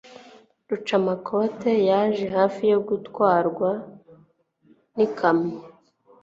Rucamakoti yaje hafi yo gutwarwa n'ikamyo